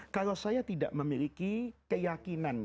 kalau saya tidak memiliki keyakinan